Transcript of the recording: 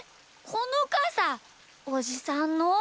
このかさおじさんの？